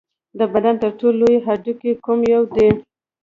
د بدن تر ټولو لوی هډوکی کوم یو دی